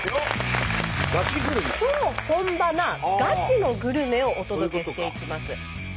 超本場なガチのグルメをお届けしていきます。